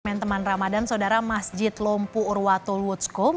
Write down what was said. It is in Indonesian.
teman teman ramadan saudara masjid lompu urwatul wudskum